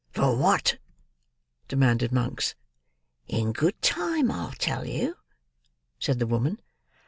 "For what?" demanded Monks. "In good time I'll tell you." said the woman.